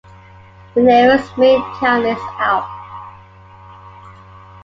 The nearest main town is Alp.